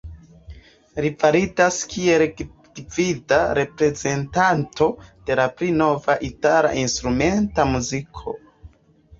Li validas kiel gvida reprezentanto de la pli nova itala instrumenta muziko.